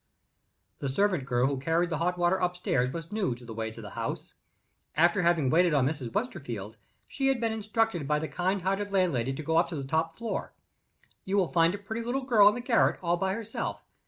The servant girl who carried the hot water upstairs was new to the ways of the house. After having waited on Mrs. Westerfield, she had been instructed by the kind hearted landlady to go on to the top floor. "You will find a pretty little girl in the garret, all by herself.